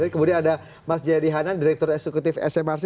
kemudian ada mas jaya dihanan direktur eksekutif smrc